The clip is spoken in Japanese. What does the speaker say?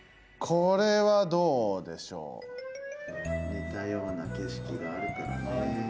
似たような景色があるからね。